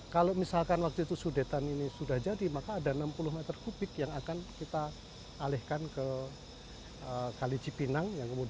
kalau misalkan waktu itu sudetan ini sudah jadi maka ada enam puluh meter kubik yang akan kita alihkan ke kali cipinang